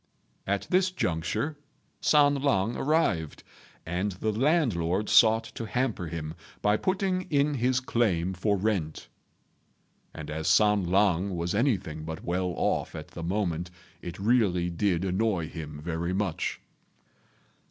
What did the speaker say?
At this juncture San lang arrived, and the landlord sought to hamper him by putting in his claim for rent; and, as San lang was anything but well off at the moment, it really did annoy him very much.